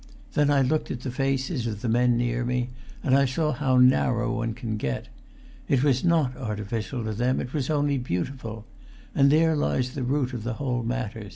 Then I looked at the faces of the men near me, and I saw how narrow one can get. It was not artificial to them; it was only beautiful; and there lies the root of the whole matter.